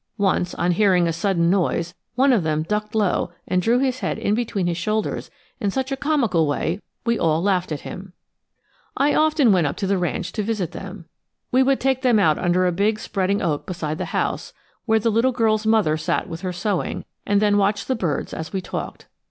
Once, on hearing a sudden noise, one of them ducked low and drew his head in between his shoulders in such a comical way we all laughed at him. I often went up to the ranch to visit them. We would take them out under a big spreading oak beside the house, where the little girl's mother sat with her sewing, and then watch the birds as we talked.